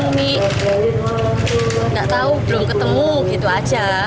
uci gak tahu belum ketemu gitu aja